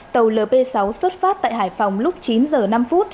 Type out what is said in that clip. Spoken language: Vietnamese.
tàu lp sáu xuất phát tại hải phòng lúc chín h năm